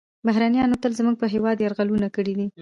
بهرنیانو تل زموږ په هیواد یرغلونه کړي دي